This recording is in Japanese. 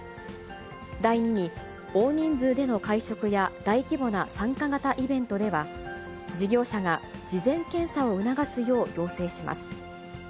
第２に、大人数での会食や、大規模な参加型イベントでは、事業者が事前検査を促すよう要請します。